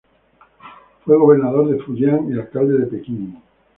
Fue Gobernador de Fujian y Alcalde de Pekín.